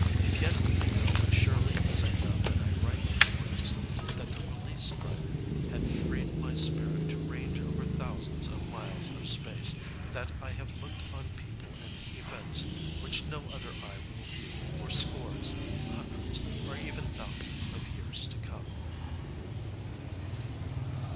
Yet I know as surely as I know that I write these words that the Release Drug had freed my spirit to range over thousands of miles of space, and that I have looked on people and events which no other eye will view for scores, hundreds or even thousands of years to come.